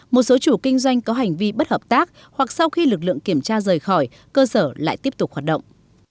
một số chủ kinh doanh có hành vi bất hợp tác hoặc sau khi lực lượng kiểm tra rời khỏi cơ sở lại tiếp tục hoạt động